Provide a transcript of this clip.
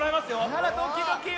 あらドキドキよ。